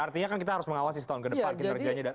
artinya kan kita harus mengawasi setahun ke depan kinerjanya